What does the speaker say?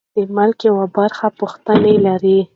د ملک یوه برخه پښتانه لري.